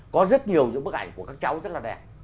có rất nhiều những bức ảnh của các cháu rất là đẹp